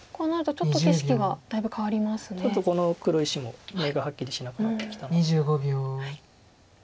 ちょっとこの黒石も眼がはっきりしなくなってきた。